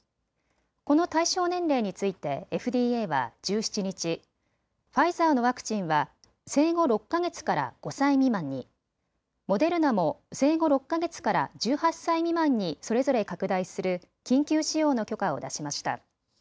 この対象年齢についてＦＤＡは１７日、ファイザーのワクチンは生後６か月から５歳未満に、モデルナも生後６か月から１８歳未満にそれぞれ拡大する緊急使用の許可を出しました。